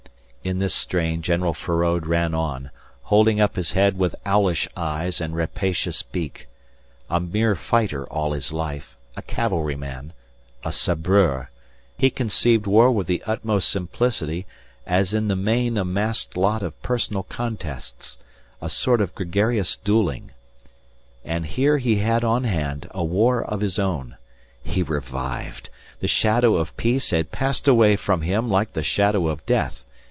In this strain General Feraud ran on, holding up his head with owlish eyes and rapacious beak. A mere fighter all his life, a cavalry man, a sabreur, he conceived war with the utmost simplicity as in the main a massed lot of personal contests, a sort of gregarious duelling. And here he had on hand a war of his own. He revived. The shadow of peace had passed away from him like the shadow of death.